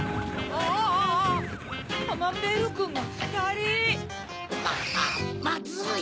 あぁまずい。